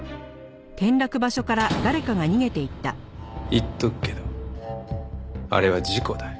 言っとくけどあれは事故だ。